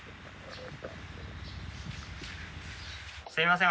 すいません。